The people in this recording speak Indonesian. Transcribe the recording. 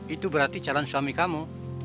itu berarti calon suami kamu